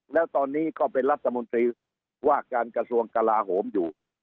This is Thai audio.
แล้วตอนนี้ก็เป็นรัฐมนตรีว่าการกระทรวงกลาโหมอยู่